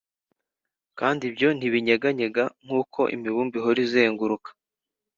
kandi byo ntibinyeganyega nk’uko imibumbe ihora izenguruka »